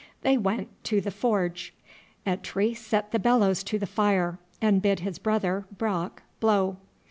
They went to the forge. Eitri set the bellows to the fire, and bid his brother, Brock, blow.